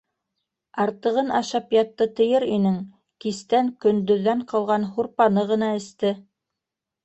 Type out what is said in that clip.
Артығын ашап ятты тиер инең - кистән көндөҙҙән ҡалған һурпаны ғына эсте.